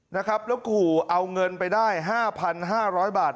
นะครับแล้วขู่เอาเงินไปได้๕๕๐๐บาท